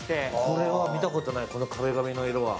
これは見たことがない、この壁の色は。